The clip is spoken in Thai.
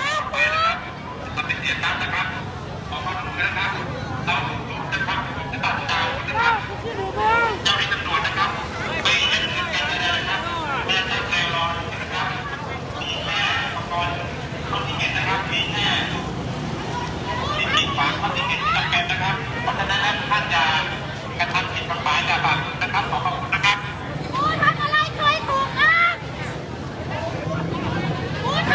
การประตูกรมทหารที่สิบเอ็ดเป็นภาพสดขนาดนี้นะครับ